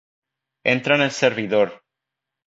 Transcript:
Entra en el servidor.